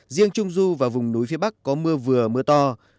riêng trung du và vùng núi phía bắc có mưa vừa mưa to